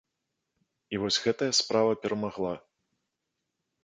І вось гэтая справа перамагла.